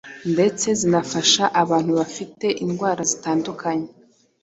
ndetse zinafasha abantu bafite indwara zitandukanye